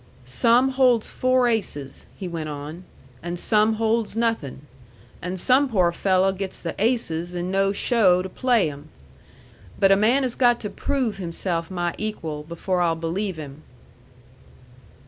"Some holds four aces," he went on, "and some holds nothin', and some poor fello' gets the aces and no show to play 'em; but a man has got to prove himself my equal before I'll believe him."